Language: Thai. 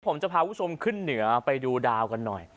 ผมจะพาคุณผู้ชมขึ้นเหนือไปดูดาวกันหน่อย